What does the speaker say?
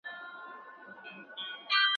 تاسو د مثبت ذهنیت سره په ژوند کي ډیر ډاډه یاست.